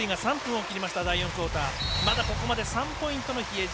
まだここまで３ポイントの比江島。